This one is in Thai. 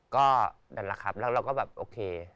ก็นั่นแหละครับแล้วเราก็แบบโอเค